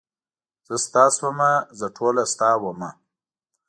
زه ستا شومه زه ټوله ستا ومه.